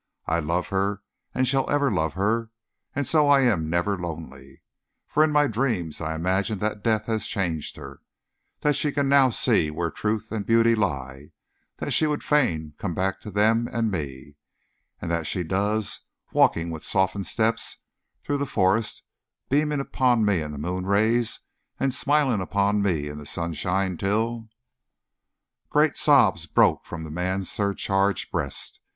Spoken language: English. I love her, and shall ever love her, and so I am never lonely. For in my dreams I imagine that death has changed her. That she can see now where truth and beauty lie; that she would fain come back to them and me; and that she does, walking with softened steps through the forest, beaming upon me in the moon rays and smiling upon me in the sunshine till " Great sobs broke from the man's surcharged breast.